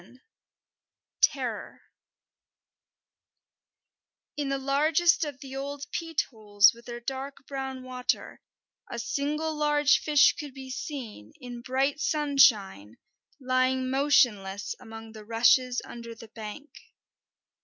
XI: TERROR In the largest of the old peat holes with their dark brown water, a single large fish could be seen, in bright sunshine, lying motionless among the rushes under the bank.